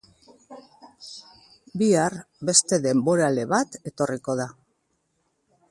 Bihar, beste denborale bat etorriko da.